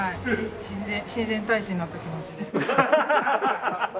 親善大使になった気持ちで。